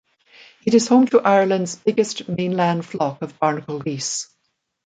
It is home to Ireland’s biggest mainland flock of barnacle geese.